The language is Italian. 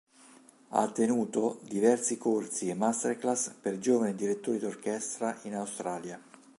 Ha tenuto diversi corsi e masterclass per giovani direttori d'orchestra in Australia.